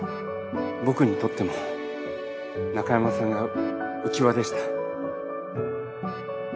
僕にとっても中山さんがうきわでした。